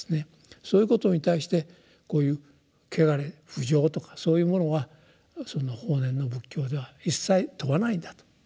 そういうことに対してこういう穢れ不浄とかそういうものは法然の仏教では一切問わないんだと。